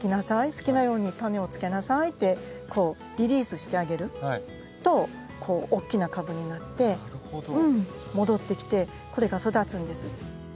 好きなようにタネをつけなさいってリリースしてあげると大きな株になって戻ってきてこれが育つんです。